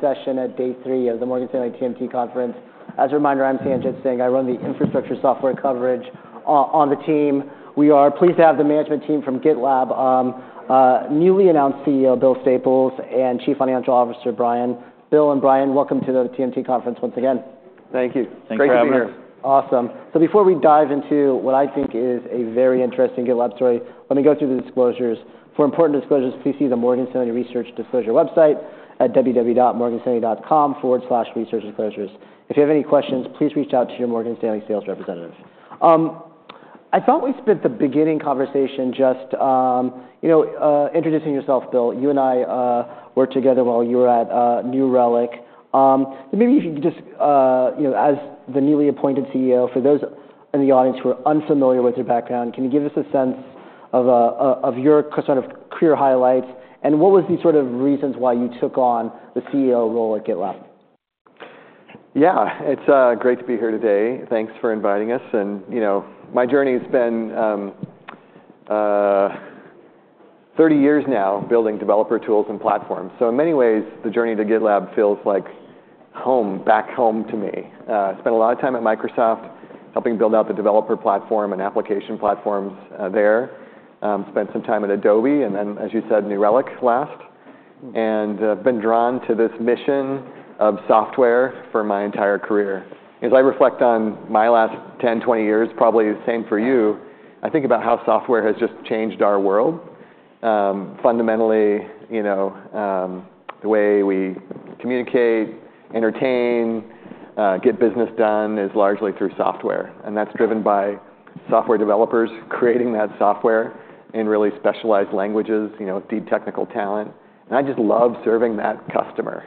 Session at day three of the Morgan Stanley TMT Conference. As a reminder, I'm Sanjit Singh. I run the infrastructure software coverage on the team. We are pleased to have the management team from GitLab, newly announced CEO Bill Staples, and Chief Financial Officer Brian Robins. Bill and Brian, welcome to the TMT Conference once again. Thank you. Thanks for having us. Great to have you here. Awesome. So before we dive into what I think is a very interesting GitLab story, let me go through the disclosures. For important disclosures, please see the Morgan Stanley Research Disclosure website at www.morganstanley.com/researchdisclosures. If you have any questions, please reach out to your Morgan Stanley sales representative. I thought we spent the beginning conversation just, you know, introducing yourself, Bill. You and I worked together while you were at New Relic. Maybe if you could just, you know, as the newly appointed CEO, for those in the audience who are unfamiliar with your background, can you give us a sense of your sort of career highlights? And what was the sort of reasons why you took on the CEO role at GitLab? Yeah. It's great to be here today. Thanks for inviting us. And, you know, my journey has been 30 years now building developer tools and platforms. So in many ways, the journey to GitLab feels like home, back home to me. I spent a lot of time at Microsoft helping build out the developer platform and application platforms there. Spent some time at Adobe, and then, as you said, New Relic last. And, I've been drawn to this mission of software for my entire career. As I reflect on my last 10, 20 years, probably the same for you, I think about how software has just changed our world fundamentally. You know, the way we communicate, entertain, get business done is largely through software. And that's driven by software developers creating that software in really specialized languages, you know, deep technical talent. And I just love serving that customer.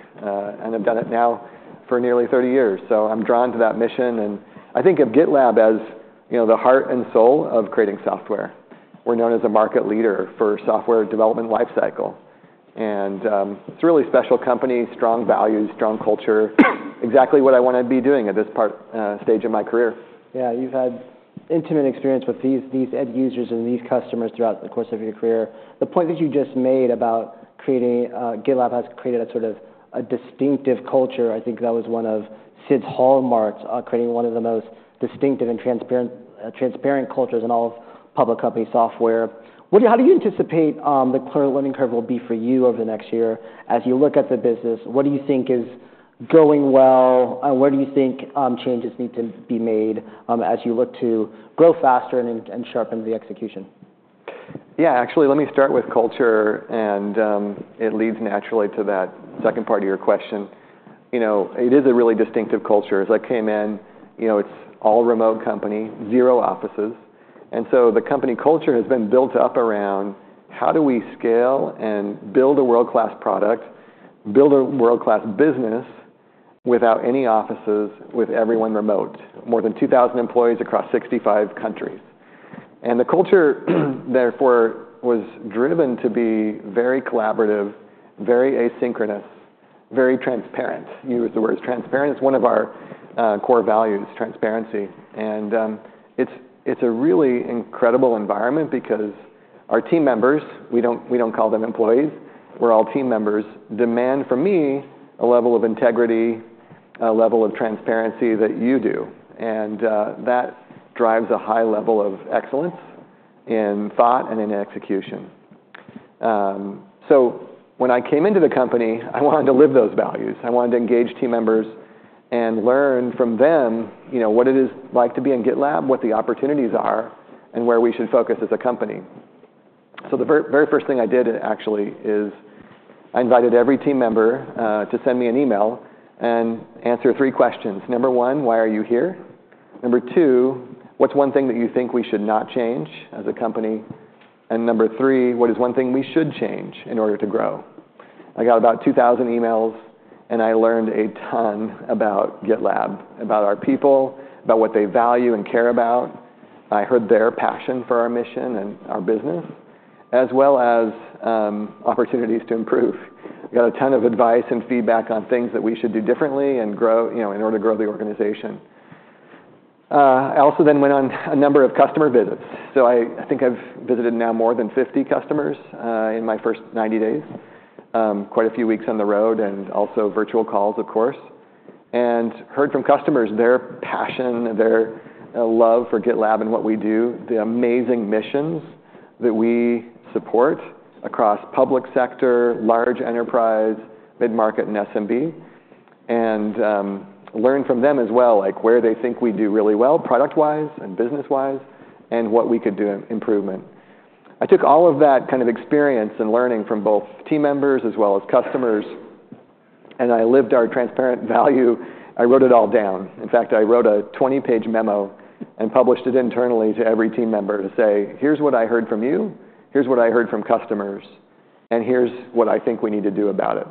And I've done it now for nearly 30 years. So I'm drawn to that mission. And I think of GitLab as, you know, the heart and soul of creating software. We're known as a market leader for software development lifecycle. And, it's a really special company, strong values, strong culture, exactly what I want to be doing at this part, stage of my career. Yeah. You've had intimate experience with these end users and these customers throughout the course of your career. The point that you just made about creating, GitLab has created a sort of a distinctive culture. I think that was one of Sid's hallmarks, creating one of the most distinctive and transparent cultures in all of public company software. How do you anticipate the learning curve will be for you over the next year as you look at the business? What do you think is going well? Where do you think changes need to be made, as you look to grow faster and sharpen the execution? Yeah. Actually, let me start with culture. And it leads naturally to that second part of your question. You know, it is a really distinctive culture. As I came in, you know, it's all remote company, zero offices. And so the company culture has been built up around how do we scale and build a world-class product, build a world-class business without any offices, with everyone remote, more than 2,000 employees across 65 countries. And the culture therefore was driven to be very collaborative, very asynchronous, very transparent. You used the words transparent. It's one of our core values, transparency. And it's a really incredible environment because our team members, we don't, we don't call them employees. We're all team members, demand from me a level of integrity, a level of transparency that you do. And that drives a high level of excellence in thought and in execution. So when I came into the company, I wanted to live those values. I wanted to engage team members and learn from them, you know, what it is like to be in GitLab, what the opportunities are, and where we should focus as a company. So the very, very first thing I did actually is I invited every team member to send me an email and answer three questions. Number one, why are you here? Number two, what's one thing that you think we should not change as a company? And number three, what is one thing we should change in order to grow? I got about 2,000 emails, and I learned a ton about GitLab, about our people, about what they value and care about. I heard their passion for our mission and our business, as well as opportunities to improve. I got a ton of advice and feedback on things that we should do differently and grow, you know, in order to grow the organization. I also then went on a number of customer visits, so I think I've visited now more than 50 customers, in my first 90 days, quite a few weeks on the road, and also virtual calls, of course, and heard from customers their passion, their love for GitLab and what we do, the amazing missions that we support across public sector, large enterprise, mid-market, and SMB, and learned from them as well, like where they think we do really well, product-wise and business-wise, and what we could do in improvement. I took all of that kind of experience and learning from both team members as well as customers, and I lived our transparent value. I wrote it all down. In fact, I wrote a 20-page memo and published it internally to every team member to say, "Here's what I heard from you. Here's what I heard from customers. And here's what I think we need to do about it."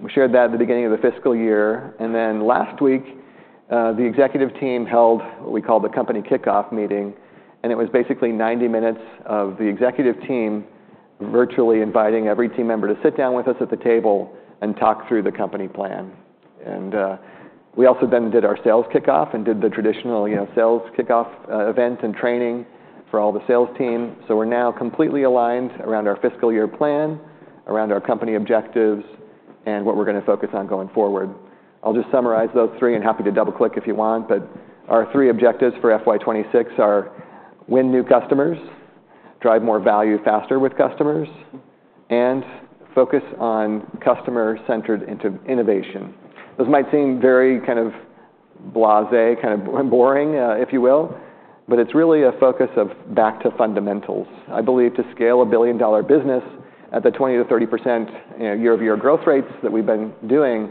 We shared that at the beginning of the fiscal year, and then last week, the executive team held what we call the company kickoff meeting, and it was basically 90 minutes of the executive team virtually inviting every team member to sit down with us at the table and talk through the company plan, and we also then did our sales kickoff and did the traditional, you know, sales kickoff event and training for all the sales team, so we're now completely aligned around our fiscal year plan, around our company objectives, and what we're going to focus on going forward. I'll just summarize those three. I'm happy to double-click if you want. But our three objectives for FY 2026 are win new customers, drive more value faster with customers, and focus on customer-centered innovation. This might seem very kind of blasé, kind of boring, if you will. But it's really a focus of back to fundamentals. I believe to scale a billion-dollar business at the 20%-30%, you know, year-over-year growth rates that we've been doing,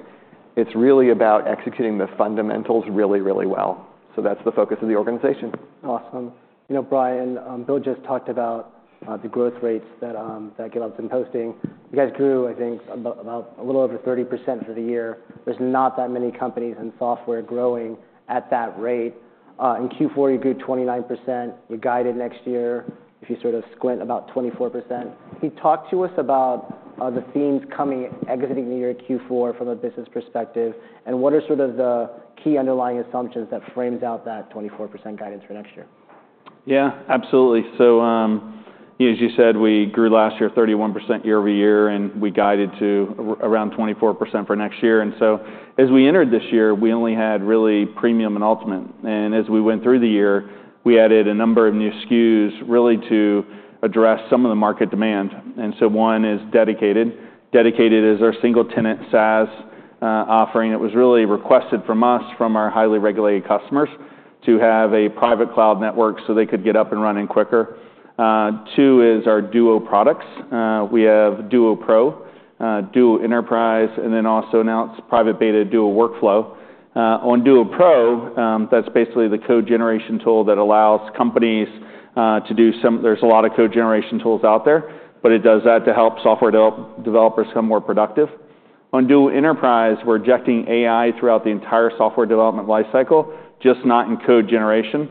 it's really about executing the fundamentals really, really well. So that's the focus of the organization. Awesome. You know, Brian, Bill just talked about the growth rates that GitLab's been posting. You guys grew, I think, about a little over 30% for the year. There's not that many companies in software growing at that rate. In Q4, you grew 29%. You're guided next year if you sort of squint about 24%. Can you talk to us about the themes coming out of the year Q4 from a business perspective? And what are sort of the key underlying assumptions that frame out that 24% guidance for next year? Yeah. Absolutely. So, you know, as you said, we grew last year 31% year-over-year, and we guided to around 24% for next year, and so as we entered this year, we only had really Premium and Ultimate. And as we went through the year, we added a number of new SKUs really to address some of the market demand, and so one is Dedicated. Dedicated is our single-tenant SaaS offering. It was really requested from us, from our highly regulated customers, to have a private cloud network so they could get up and running quicker. Two is our Duo products. We have Duo Pro, Duo Enterprise, and then also now it's private beta Duo Workflow. On Duo Pro, that's basically the code generation tool that allows companies to do some, there's a lot of code generation tools out there, but it does that to help software developers become more productive. On Duo Enterprise, we're injecting AI throughout the entire software development lifecycle, just not in code generation.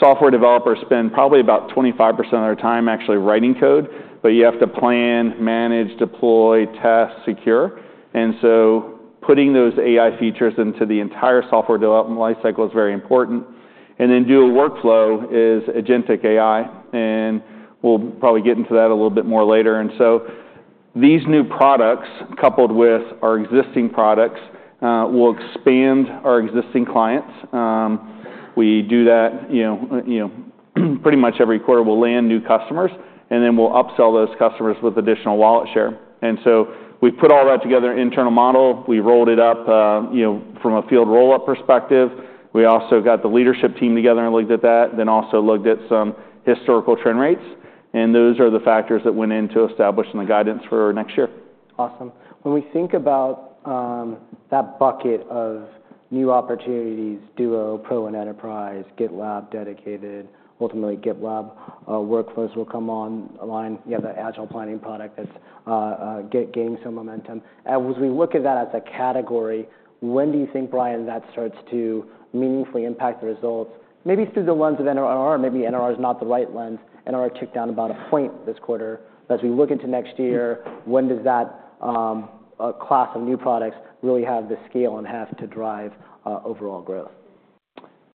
Software developers spend probably about 25% of their time actually writing code, but you have to plan, manage, deploy, test, secure. And so putting those AI features into the entire software development lifecycle is very important. And then Duo Workflow is agentic AI. And we'll probably get into that a little bit more later. And so these new products, coupled with our existing products, will expand our existing clients. We do that, you know, you know, pretty much every quarter we'll land new customers, and then we'll upsell those customers with additional wallet share. And so we put all that together, internal model. We rolled it up, you know, from a field roll-up perspective. We also got the leadership team together and looked at that, then also looked at some historical trend rates. Those are the factors that went into establishing the guidance for next year. Awesome. When we think about that bucket of new opportunities, Duo Pro and Enterprise, GitLab Dedicated, ultimately GitLab Workflows will come online. You have the agile planning product that's gaining some momentum. As we look at that as a category, when do you think, Brian, that starts to meaningfully impact the results? Maybe through the lens of NRR. Maybe NRR is not the right lens. NRR ticked down about a point this quarter. But as we look into next year, when does that class of new products really have the scale and have to drive overall growth?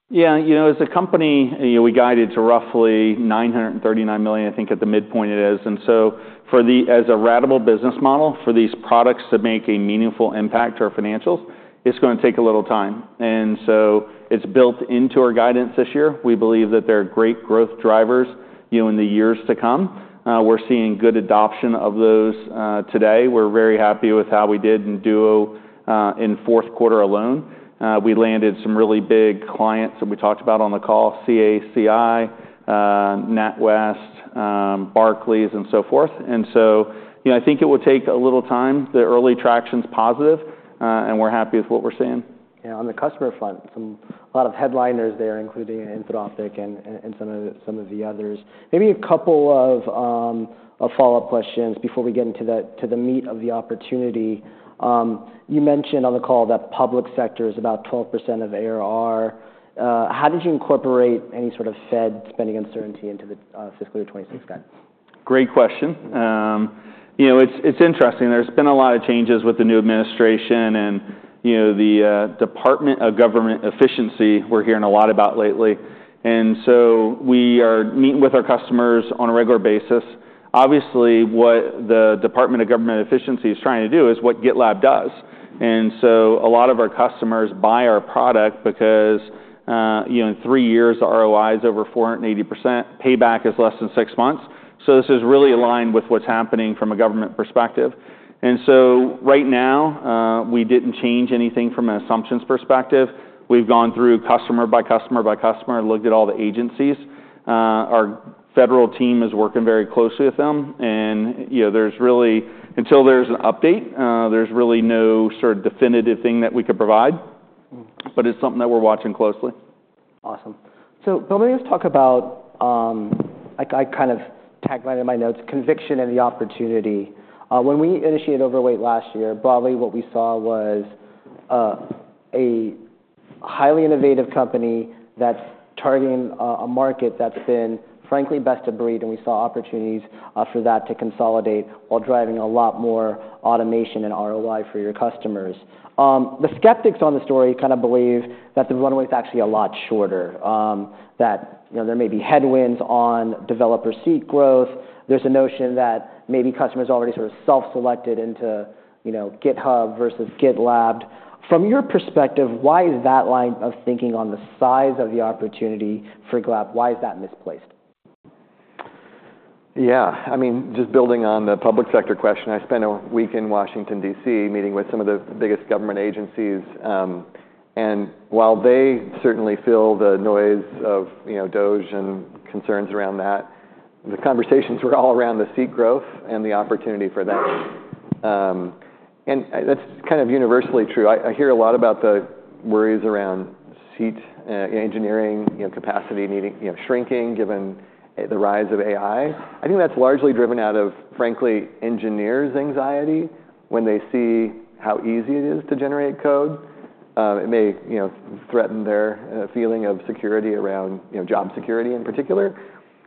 Yeah. You know, as a company, you know, we guided to roughly $939 million. I think at the midpoint it is. And so for the, as a ratable business model for these products that make a meaningful impact to our financials, it's going to take a little time. And so it's built into our guidance this year. We believe that they're great growth drivers, you know, in the years to come. We're seeing good adoption of those, today. We're very happy with how we did in Duo, in fourth quarter alone. We landed some really big clients that we talked about on the call, CACI, NatWest, Barclays, and so forth. And so, you know, I think it will take a little time. The early traction's positive, and we're happy with what we're seeing. Yeah. On the customer front, some, a lot of headliners there, including Anthropic and some of the others. Maybe a couple of follow-up questions before we get into the meat of the opportunity. You mentioned on the call that public sector is about 12% of ARR. How did you incorporate any sort of Fed spending uncertainty into the fiscal year 2026 guide? Great question. You know, it's interesting. There's been a lot of changes with the new administration and, you know, the Department of Government Efficiency we're hearing a lot about lately. And so we are meeting with our customers on a regular basis. Obviously, what the Department of Government Efficiency is trying to do is what GitLab does. And so a lot of our customers buy our product because, you know, in three years the ROI is over 480%. Payback is less than six months. So this is really aligned with what's happening from a government perspective. And so right now, we didn't change anything from an assumptions perspective. We've gone through customer by customer by customer, looked at all the agencies. Our federal team is working very closely with them. You know, there's really, until there's an update, there's really no sort of definitive thing that we could provide. It's something that we're watching closely. Awesome. So Bill, let me just talk about I kind of taglined in my notes conviction in the opportunity. When we initiated Overweight last year, broadly what we saw was a highly innovative company that's targeting a market that's been frankly best of breed. And we saw opportunities for that to consolidate while driving a lot more automation and ROI for your customers. The skeptics on the story kind of believe that the runway is actually a lot shorter, that you know, there may be headwinds on developer seat growth. There's a notion that maybe customers already sort of self-selected into you know, GitHub versus GitLab. From your perspective, why is that line of thinking on the size of the opportunity for GitLab why is that misplaced? Yeah. I mean, just building on the public sector question, I spent a week in Washington, D.C., meeting with some of the biggest government agencies, and while they certainly feel the noise of, you know, DOGE and concerns around that, the conversations were all around the seat growth and the opportunity for that. That's kind of universally true. I hear a lot about the worries around seat engineering, you know, capacity needing, you know, shrinking given the rise of AI. I think that's largely driven out of, frankly, engineers' anxiety when they see how easy it is to generate code. It may, you know, threaten their feeling of security around, you know, job security in particular,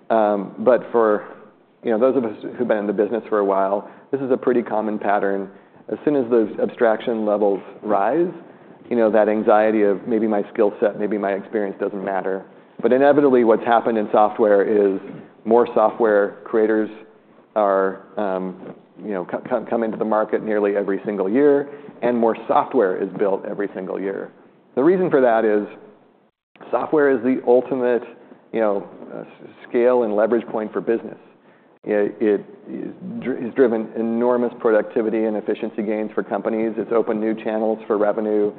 but for, you know, those of us who've been in the business for a while, this is a pretty common pattern. As soon as those abstraction levels rise, you know, that anxiety of maybe my skill set, maybe my experience doesn't matter. But inevitably, what's happened in software is more software creators are, you know, come into the market nearly every single year, and more software is built every single year. The reason for that is software is the ultimate, you know, scale and leverage point for business. It is driven enormous productivity and efficiency gains for companies. It's opened new channels for revenue.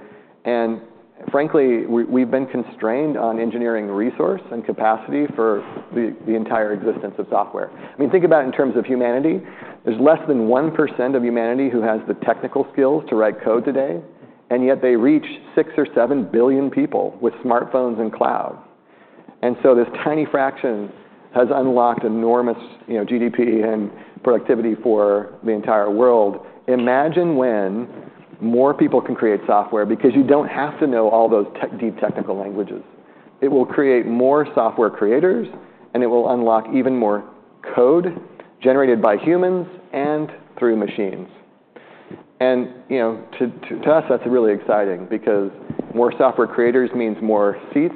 And frankly, we've been constrained on engineering resource and capacity for the entire existence of software. I mean, think about it in terms of humanity. There's less than 1% of humanity who has the technical skills to write code today, and yet they reach six or seven billion people with smartphones and cloud. And so this tiny fraction has unlocked enormous, you know, GDP and productivity for the entire world. Imagine when more people can create software because you don't have to know all those deep technical languages. It will create more software creators, and it will unlock even more code generated by humans and through machines. And, you know, to us, that's really exciting because more software creators means more seats.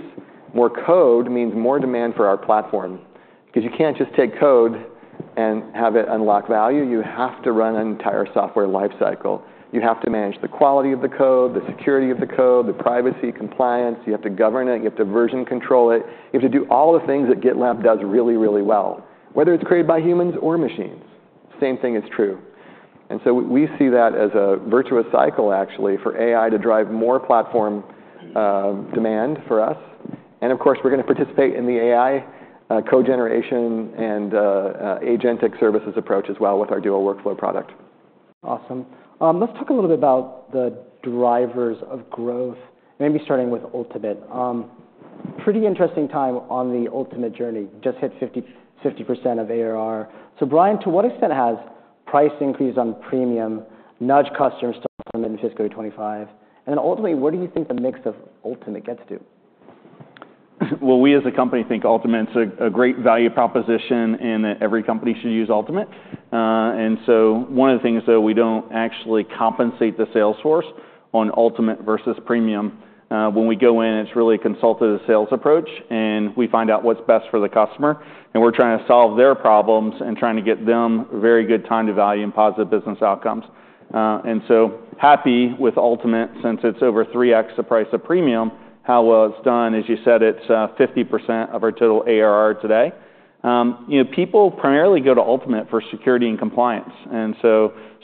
More code means more demand for our platform because you can't just take code and have it unlock value. You have to run an entire software lifecycle. You have to manage the quality of the code, the security of the code, the privacy, compliance. You have to govern it. You have to version control it. You have to do all the things that GitLab does really, really well. Whether it's created by humans or machines, same thing is true. We see that as a virtuous cycle actually for AI to drive more platform demand for us. Of course, we're going to participate in the AI code generation and agentic services approach as well with our Duo Workflow product. Awesome. Let's talk a little bit about the drivers of growth. Maybe starting with Ultimate. Pretty interesting time on the Ultimate journey. Just hit 50% of ARR. So Brian, to what extent has price increase on Premium nudged customers to implement in fiscal year 2025? And then ultimately, what do you think the mix of Ultimate gets to do? We as a company think Ultimate's a great value proposition and that every company should use Ultimate. One of the things though, we don't actually compensate the sales force on Ultimate versus Premium. When we go in, it's really a consultative sales approach, and we find out what's best for the customer. We're trying to solve their problems and trying to get them very good time to value and positive business outcomes. We're happy with Ultimate since it's over 3x the price of Premium. How well it's done, as you said, it's 50% of our total ARR today. You know, people primarily go to Ultimate for security and compliance.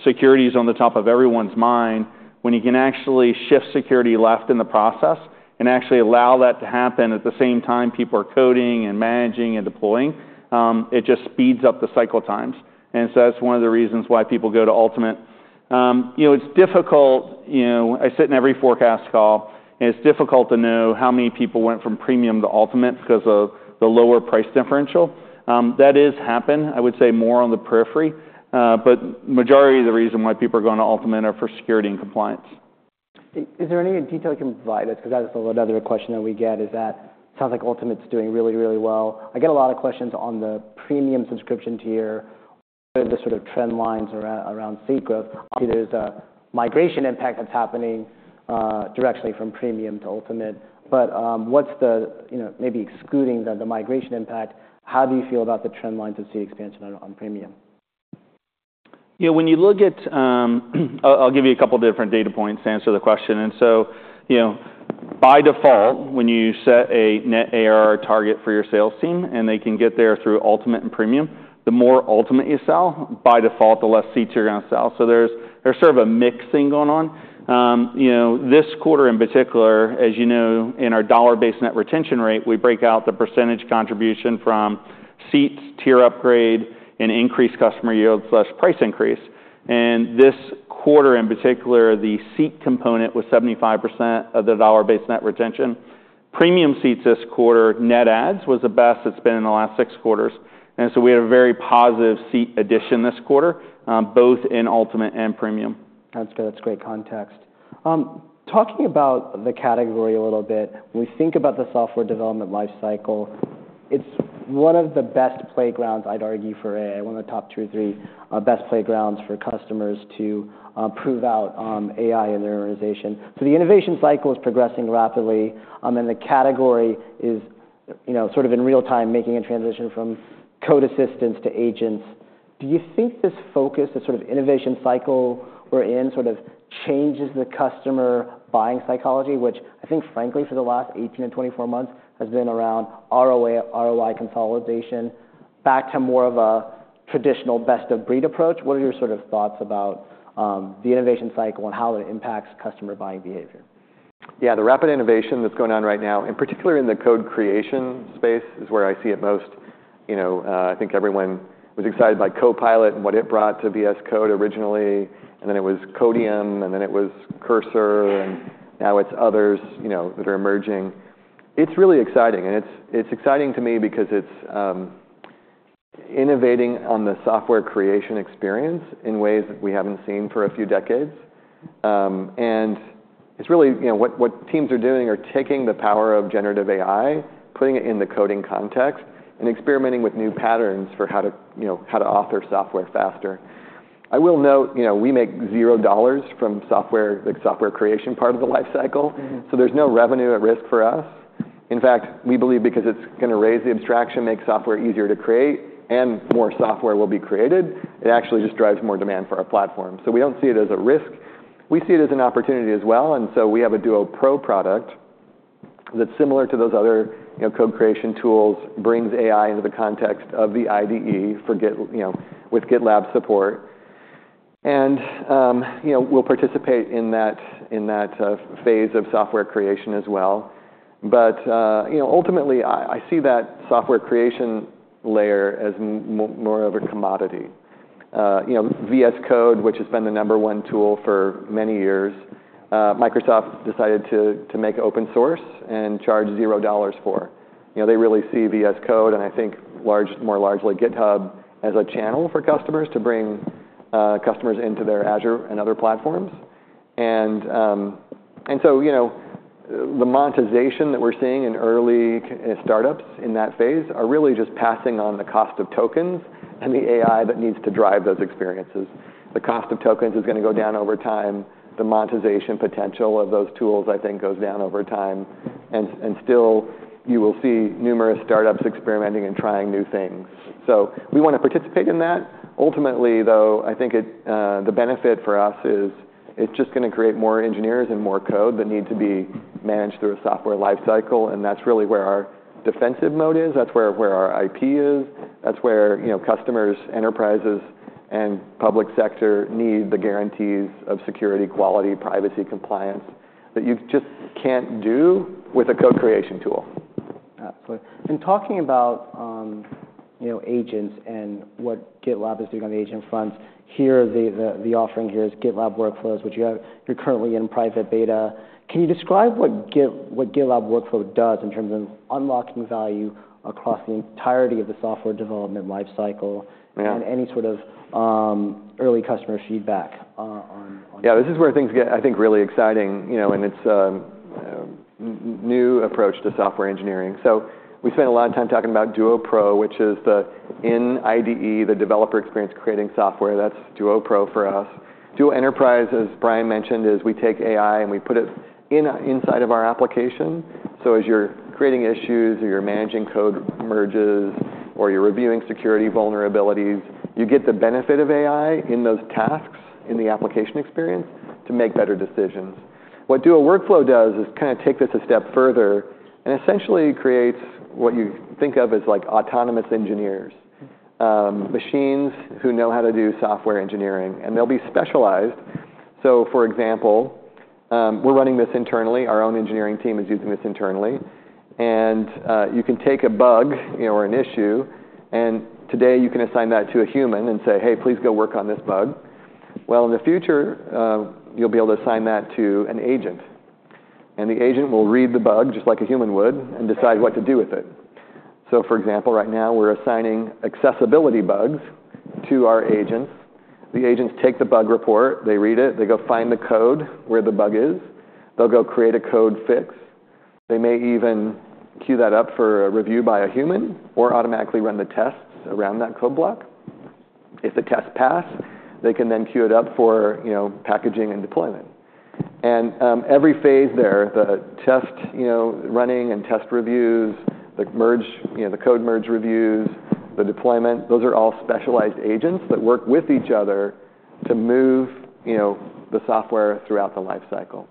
Security's on the top of everyone's mind. When you can actually shift security left in the process and actually allow that to happen at the same time people are coding and managing and deploying, it just speeds up the cycle times. And so that's one of the reasons why people go to Ultimate. You know, it's difficult, you know, I sit in every forecast call, and it's difficult to know how many people went from Premium to Ultimate because of the lower price differential. That is happened. I would say more on the periphery. But the majority of the reason why people are going to Ultimate are for security and compliance. Is there any detail you can provide us? Because that is another question that we get: is that it sounds like Ultimate's doing really, really well. I get a lot of questions on the Premium subscription tier, where the sort of trend lines are around seat growth. Obviously, there's a migration impact that's happening, directly from Premium to Ultimate. But, what's the, you know, maybe excluding the migration impact, how do you feel about the trend lines of seat expansion on Premium? You know, when you look at, I'll give you a couple of different data points to answer the question. And so, you know, by default, when you set a net ARR target for your sales team and they can get there through Ultimate and Premium, the more Ultimate you sell, by default, the less seats you're going to sell. So there's sort of a mixing going on. You know, this quarter in particular, as you know, in our dollar-based net retention rate, we break out the percentage contribution from seats, tier upgrade, and increased customer yield slash price increase. And this quarter in particular, the seat component was 75% of the dollar-based net retention. Premium seats this quarter net adds was the best it's been in the last six quarters. And so we had a very positive seat addition this quarter, both in Ultimate and Premium. That's great. That's great context. Talking about the category a little bit, when we think about the software development lifecycle, it's one of the best playgrounds, I'd argue for AI, one of the top two or three, best playgrounds for customers to prove out AI in their organization. So the innovation cycle is progressing rapidly, and the category is, you know, sort of in real time making a transition from code assistants to agents. Do you think this focus, this sort of innovation cycle we're in sort of changes the customer buying psychology, which I think frankly for the last 18 to 24 months has been around ROI consolidation back to more of a traditional best of breed approach? What are your sort of thoughts about the innovation cycle and how it impacts customer buying behavior? Yeah. The rapid innovation that's going on right now, in particular in the code creation space, is where I see it most. You know, I think everyone was excited by Copilot and what it brought to VS Code originally, and then it was Codeium, and then it was Cursor, and now it's others, you know, that are emerging. It's really exciting, and it's exciting to me because it's innovating on the software creation experience in ways that we haven't seen for a few decades, and it's really, you know, what teams are doing are taking the power of generative AI, putting it in the coding context, and experimenting with new patterns for how to, you know, how to author software faster. I will note, you know, we make $0 from software, like software creation part of the lifecycle. So there's no revenue at risk for us. In fact, we believe because it's going to raise the abstraction, make software easier to create, and more software will be created, it actually just drives more demand for our platform. So we don't see it as a risk. We see it as an opportunity as well. And so we have a Duo Pro product that's similar to those other, you know, code creation tools, brings AI into the context of the IDE for Git, you know, with GitLab support. And, you know, we'll participate in that phase of software creation as well. But, you know, ultimately, I see that software creation layer as more of a commodity. You know, VS Code, which has been the number one tool for many years, Microsoft decided to make open source and charge $0 for. You know, they really see VS Code, and I think large, more largely GitHub as a channel for customers to bring customers into their Azure and other platforms. And so, you know, the monetization that we're seeing in early startups in that phase are really just passing on the cost of tokens and the AI that needs to drive those experiences. The cost of tokens is going to go down over time. The monetization potential of those tools, I think, goes down over time. And still, you will see numerous startups experimenting and trying new things, so we want to participate in that. Ultimately, though, I think it, the benefit for us is it's just going to create more engineers and more code that need to be managed through a software lifecycle. And that's really where our defensive mode is. That's where our IP is. That's where, you know, customers, enterprises, and public sector need the guarantees of security, quality, privacy, compliance that you just can't do with a code creation tool. Absolutely, and talking about, you know, agents and what GitLab is doing on the agent fronts here, the offering here is GitLab Duo Workflow, which you're currently in private beta. Can you describe what GitLab Duo Workflow does in terms of unlocking value across the entirety of the software development lifecycle and any sort of early customer feedback on. Yeah. This is where things get, I think, really exciting, you know, and it's a new approach to software engineering. So we spent a lot of time talking about Duo Pro, which is the in IDE, the developer experience creating software. That's Duo Pro for us. Duo Enterprise, as Brian mentioned, is we take AI and we put it in, inside of our application. So as you're creating issues or you're managing code merges or you're reviewing security vulnerabilities, you get the benefit of AI in those tasks in the application experience to make better decisions. What Duo Workflow does is kind of take this a step further and essentially creates what you think of as like autonomous engineers, machines who know how to do software engineering, and they'll be specialized. So for example, we're running this internally. Our own engineering team is using this internally. You can take a bug, you know, or an issue, and today you can assign that to a human and say, "Hey, please go work on this bug." In the future, you'll be able to assign that to an agent. The agent will read the bug just like a human would and decide what to do with it. For example, right now we're assigning accessibility bugs to our agents. The agents take the bug report, they read it, they go find the code where the bug is, they'll go create a code fix. They may even queue that up for a review by a human or automatically run the tests around that code block. If the tests pass, they can then queue it up for, you know, packaging and deployment. Every phase there, the test, you know, running and test reviews, the merge, you know, the code merge reviews, the deployment, those are all specialized agents that work with each other to move, you know, the software throughout the lifecycle.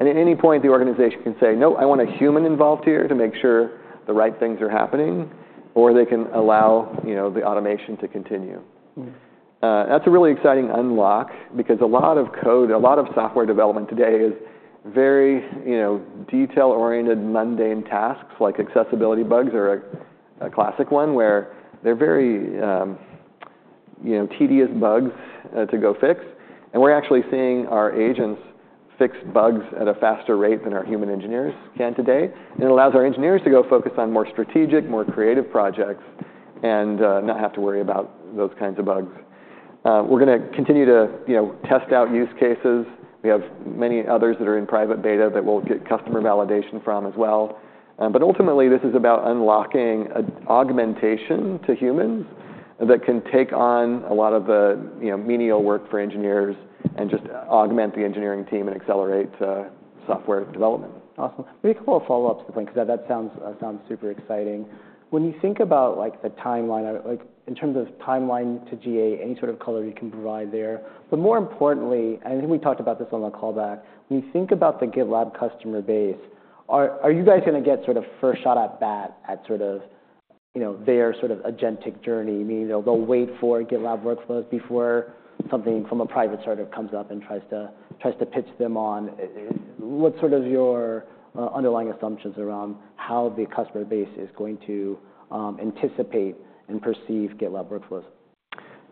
At any point, the organization can say, "No, I want a human involved here to make sure the right things are happening," or they can allow, you know, the automation to continue. That's a really exciting unlock because a lot of code, a lot of software development today is very, you know, detail-oriented, mundane tasks like accessibility bugs are a classic one where they're very, you know, tedious bugs to go fix. We're actually seeing our agents fix bugs at a faster rate than our human engineers can today. It allows our engineers to go focus on more strategic, more creative projects and not have to worry about those kinds of bugs. We're going to continue to, you know, test out use cases. We have many others that are in private beta that we'll get customer validation from as well. But ultimately, this is about unlocking an augmentation to humans that can take on a lot of the, you know, menial work for engineers and just augment the engineering team and accelerate software development. Awesome. Maybe a couple of follow-ups to point because that sounds super exciting. When you think about like the timeline, like in terms of timeline to GA, any sort of color you can provide there. But more importantly, and I think we talked about this on the callback, when you think about the GitLab customer base, are you guys going to get sort of first shot at bat at sort of, you know, their sort of agentic journey, meaning they'll wait for GitLab Workflows before something from a private startup comes up and tries to pitch them on? What sort of your underlying assumptions around how the customer base is going to anticipate and perceive GitLab Workflows?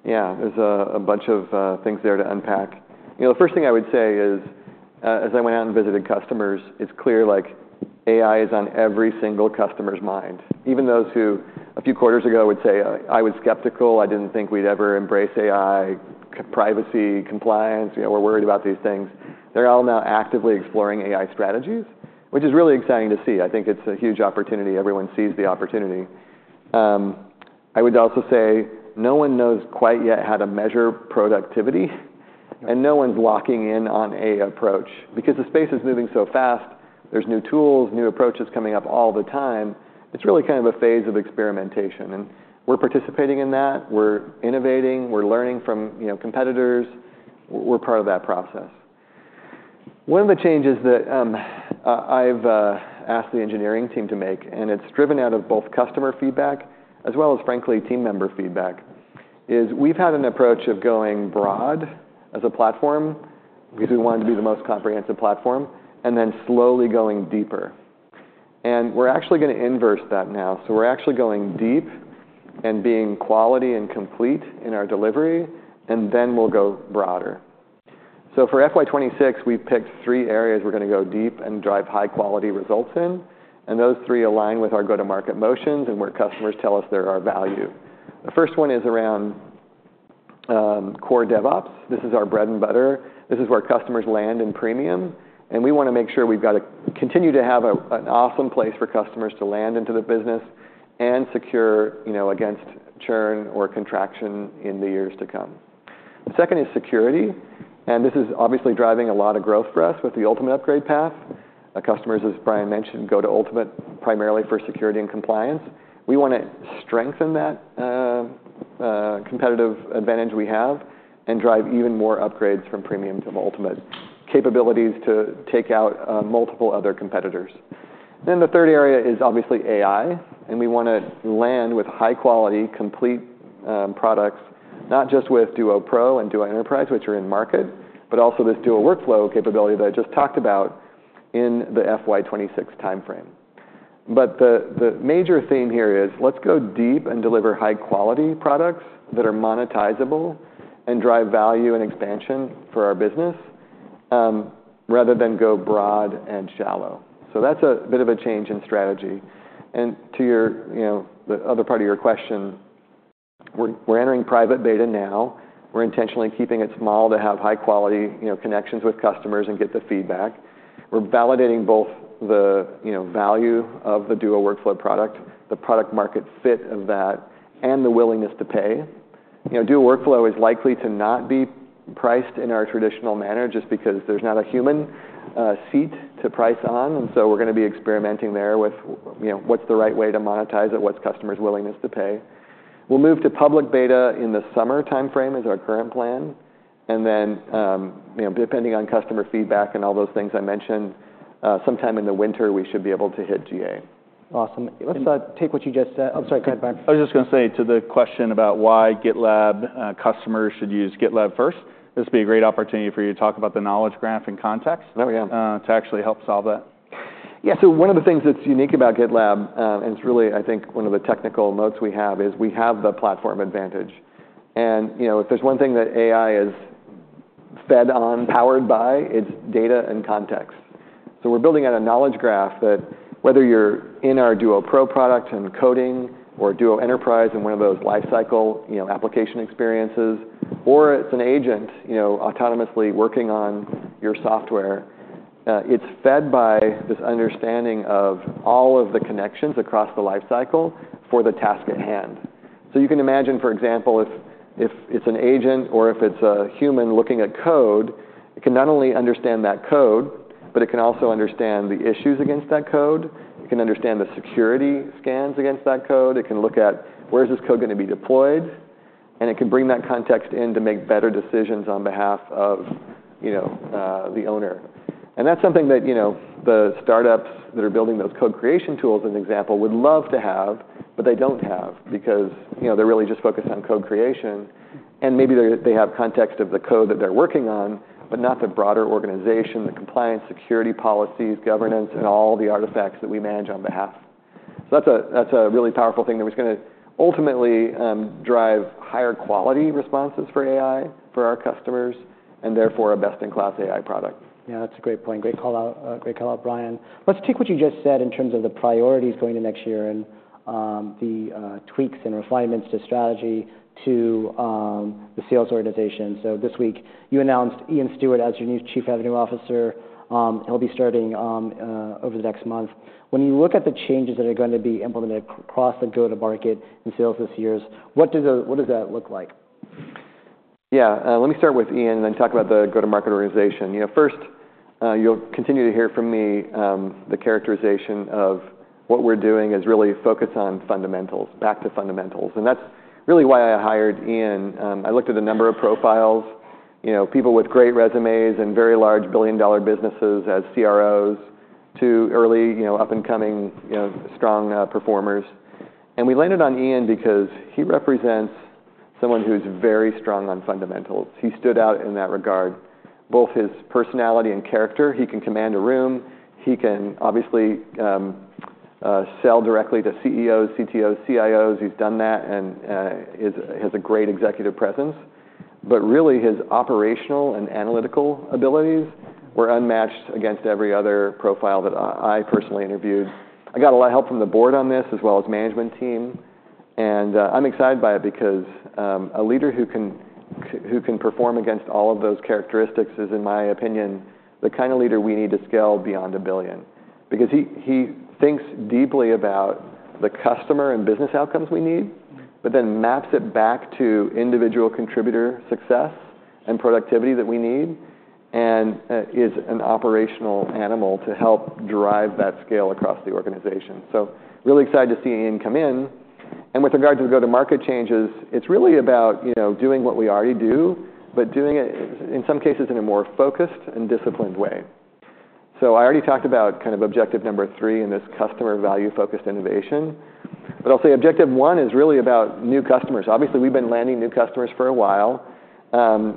Yeah. There's a bunch of things there to unpack. You know, the first thing I would say is, as I went out and visited customers, it's clear like AI is on every single customer's mind. Even those who a few quarters ago would say, I was skeptical, I didn't think we'd ever embrace AI, privacy, compliance, you know, we're worried about these things. They're all now actively exploring AI strategies, which is really exciting to see. I think it's a huge opportunity. Everyone sees the opportunity. I would also say no one knows quite yet how to measure productivity, and no one's locking in on an approach because the space is moving so fast. There's new tools, new approaches coming up all the time. It's really kind of a phase of experimentation, and we're participating in that. We're innovating. We're learning from, you know, competitors. We're part of that process. One of the changes that I've asked the engineering team to make, and it's driven out of both customer feedback as well as frankly team member feedback, is we've had an approach of going broad as a platform because we wanted to be the most comprehensive platform and then slowly going deeper. And we're actually going to inverse that now. So we're actually going deep and being quality and complete in our delivery, and then we'll go broader. So for FY 2026, we've picked three areas we're going to go deep and drive high-quality results in. And those three align with our go-to-market motions and where customers tell us there are value. The first one is around core DevOps. This is our bread and butter. This is where customers land in Premium. And we want to make sure we've got to continue to have an awesome place for customers to land into the business and secure, you know, against churn or contraction in the years to come. The second is security. And this is obviously driving a lot of growth for us with the Ultimate upgrade path. Customers, as Brian mentioned, go to Ultimate primarily for security and compliance. We want to strengthen that competitive advantage we have and drive even more upgrades from Premium to the Ultimate capabilities to take out multiple other competitors. Then the third area is obviously AI, and we want to land with high-quality, complete products, not just with Duo Pro and Duo Enterprise, which are in market, but also this Duo Workflow capability that I just talked about in the FY 2026 timeframe. But the major theme here is let's go deep and deliver high-quality products that are monetizable and drive value and expansion for our business, rather than go broad and shallow. So that's a bit of a change in strategy. And to your, you know, the other part of your question, we're entering private beta now. We're intentionally keeping it small to have high-quality, you know, connections with customers and get the feedback. We're validating both the, you know, value of the Duo Workflow product, the product-market fit of that, and the willingness to pay. You know, Duo Workflow is likely to not be priced in our traditional manner just because there's not a human, seat to price on. And so we're going to be experimenting there with, you know, what's the right way to monetize it, what's customers' willingness to pay. We'll move to public beta in the summer timeframe is our current plan. And then, you know, depending on customer feedback and all those things I mentioned, sometime in the winter, we should be able to hit GA. Awesome. Let's take what you just said. I'm sorry, go ahead, Brian. I was just going to say to the question about why GitLab customers should use GitLab first, this would be a great opportunity for you to talk about the knowledge graph in context. There we go. to actually help solve that. Yeah. So one of the things that's unique about GitLab, and it's really, I think, one of the technical notes we have, is we have the platform advantage. And, you know, if there's one thing that AI is fed on, powered by, it's data and context. So we're building out a knowledge graph that whether you're in our Duo Pro product and coding or Duo Enterprise and one of those lifecycle, you know, application experiences, or it's an agent, you know, autonomously working on your software, it's fed by this understanding of all of the connections across the lifecycle for the task at hand. So you can imagine, for example, if it's an agent or if it's a human looking at code, it can not only understand that code, but it can also understand the issues against that code. It can understand the security scans against that code. It can look at where's this code going to be deployed, and it can bring that context in to make better decisions on behalf of, you know, the owner, and that's something that, you know, the startups that are building those code creation tools, as an example, would love to have, but they don't have because, you know, they're really just focused on code creation, and maybe they have context of the code that they're working on, but not the broader organization, the compliance, security policies, governance, and all the artifacts that we manage on behalf, so that's a really powerful thing that was going to ultimately drive higher quality responses for AI for our customers and therefore a best-in-class AI product. Yeah. That's a great point. Great callout, great callout, Brian. Let's take what you just said in terms of the priorities going to next year and the tweaks and refinements to strategy to the sales organization. So this week you announced Ian Steward as your new Chief Revenue Officer. He'll be starting over the next month. When you look at the changes that are going to be implemented across the go-to-market and sales this year, what does that look like? Yeah. Let me start with Ian and then talk about the go-to-market organization. You know, first, you'll continue to hear from me, the characterization of what we're doing is really focus on fundamentals, back to fundamentals. And that's really why I hired Ian. I looked at a number of profiles, you know, people with great resumes and very large billion-dollar businesses as CROs to early, you know, up-and-coming, you know, strong performers. And we landed on Ian because he represents someone who's very strong on fundamentals. He stood out in that regard. Both his personality and character, he can command a room. He can obviously sell directly to CEOs, CTOs, CIOs. He's done that and has a great executive presence. But really his operational and analytical abilities were unmatched against every other profile that I personally interviewed. I got a lot of help from the board on this as well as management team. And I'm excited by it because a leader who can perform against all of those characteristics is, in my opinion, the kind of leader we need to scale beyond a billion because he thinks deeply about the customer and business outcomes we need, but then maps it back to individual contributor success and productivity that we need and is an operational animal to help drive that scale across the organization. So really excited to see Ian come in. And with regard to the go-to-market changes, it's really about, you know, doing what we already do, but doing it in some cases in a more focused and disciplined way. So I already talked about kind of objective number three in this customer value-focused innovation. But I'll say objective one is really about new customers. Obviously, we've been landing new customers for a while.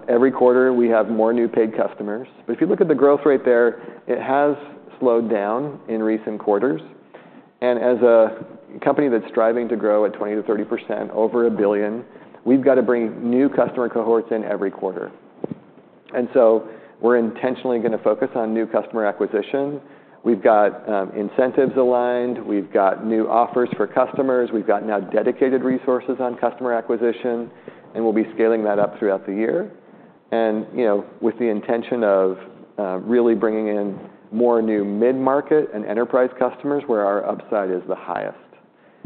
Every quarter we have more new paid customers. But if you look at the growth rate there, it has slowed down in recent quarters. And as a company that's striving to grow at 20%-30% over a billion, we've got to bring new customer cohorts in every quarter. And so we're intentionally going to focus on new customer acquisition. We've got incentives aligned. We've got new offers for customers. We've got now dedicated resources on customer acquisition, and we'll be scaling that up throughout the year. And, you know, with the intention of, really bringing in more new mid-market and enterprise customers where our upside is the highest.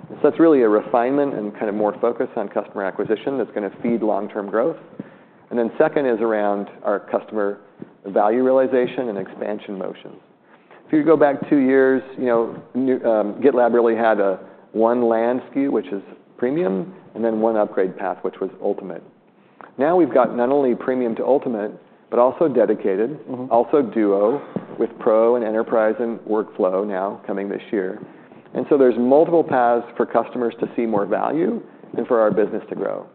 So that's really a refinement and kind of more focus on customer acquisition that's going to feed long-term growth. And then second is around our customer value realization and expansion motions. If you go back two years, you know, GitLab really had a one land SKU, which is Premium, and then one upgrade path, which was Ultimate. Now we've got not only Premium to Ultimate, but also Dedicated, also Duo with Pro and Enterprise and Workflow now coming this year. And so there's multiple paths for customers to see more value and for our business to grow.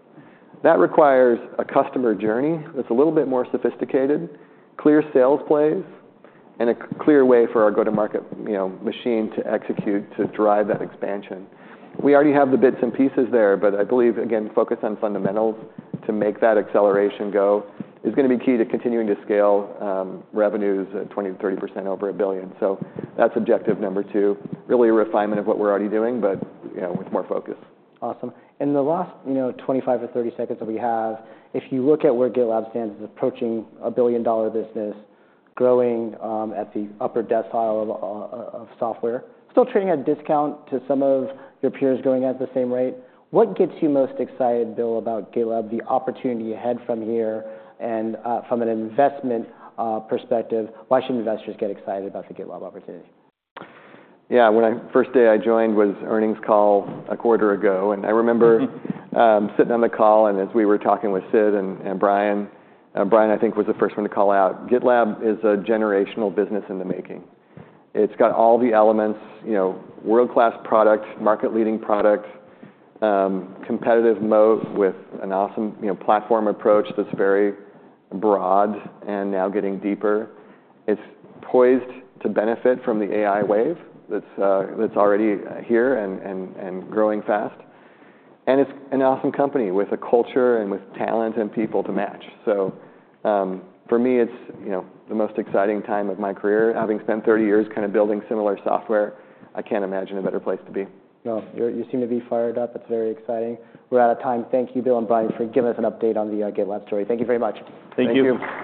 That requires a customer journey that's a little bit more sophisticated, clear sales plays, and a clear way for our go-to-market, you know, machine to execute to drive that expansion. We already have the bits and pieces there, but I believe, again, focus on fundamentals to make that acceleration go is going to be key to continuing to scale revenues at 20%-30% over a billion. That's objective number two, really a refinement of what we're already doing, but, you know, with more focus. Awesome. And the last, you know, 25 or 30 seconds that we have, if you look at where GitLab stands as approaching a billion-dollar business, growing, at the upper decile of software, still trading at a discount to some of your peers going at the same rate, what gets you most excited, Bill, about GitLab, the opportunity ahead from here and, from an investment, perspective? Why should investors get excited about the GitLab opportunity? Yeah. My first day was the earnings call a quarter ago. And I remember sitting on the call and as we were talking with Sid and Brian. Brian, I think, was the first one to call out GitLab is a generational business in the making. It's got all the elements, you know, world-class product, market-leading product, competitive moat with an awesome, you know, platform approach that's very broad and now getting deeper. It's poised to benefit from the AI wave that's already here and growing fast. And it's an awesome company with a culture and with talent and people to match. So, for me, it's, you know, the most exciting time of my career, having spent 30 years kind of building similar software. I can't imagine a better place to be. You seem to be fired up. It's very exciting. We're out of time. Thank you, Bill and Brian, for giving us an update on the GitLab story. Thank you very much. Thank you.